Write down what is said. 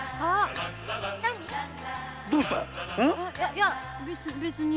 いえ別に。